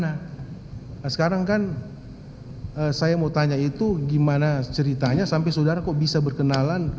nah sekarang kan saya mau tanya itu gimana ceritanya sampai saudara kok bisa berkenalan